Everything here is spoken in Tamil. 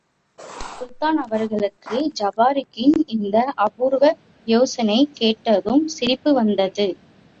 சுல்தான் அவர்களுக்கு ஜபாரக்கின் இந்த அபூர்வ யோசனையைக் கேட்டதும், சிரிப்பு வந்தது.